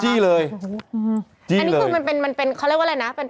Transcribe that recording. จี้เลยจี้เลยอันนี้คือมันเป็นเขาเรียกว่าอะไรนะ